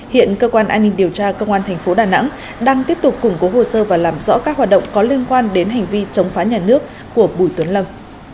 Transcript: hiện cơ quan an ninh điều tra công an thành phố đà nẵng đang tiếp tục củng cố hồ sơ và làm rõ các hoạt động có liên quan đến hành vi chống phá nhà nước của bùi tuấn lâm